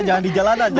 jangan di jalanan